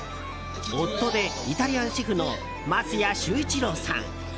夫でイタリアンシェフの桝谷周一郎さん。